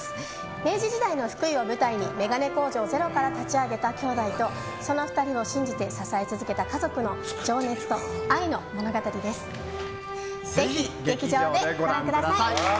明治時代の福井を舞台に眼鏡工場をゼロから立ち上げた兄弟とその２人を信じて支え続けた家族のぜひ、劇場でご覧ください。